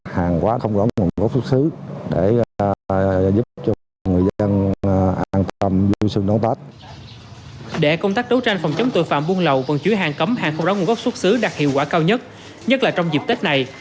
hàng không đóng nguồn gốc xuất xứ đạt hiệu quả cao nhất nhất là trong dịp tết này